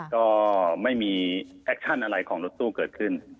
ก็ไม่มีแอคชั่นอะไรของรถตู้เกิดขึ้น